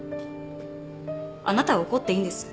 あなたは怒っていいんです。